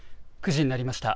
９時になりました。